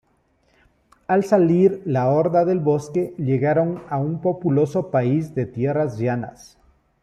Al salir la horda del bosque, llegaron a un populoso país de tierras llanas.